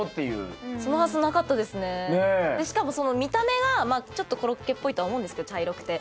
しかも見た目がちょっとコロッケっぽいと思うんですけど茶色くて。